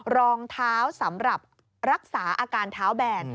รองเท้าสำหรับรักษาอาการเท้าแบน